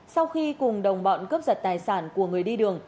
sau khi cùng đồng bọn cướp giật tài sản của người đi đường